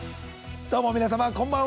どうも皆様、こんばんは。